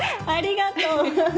ありがとう！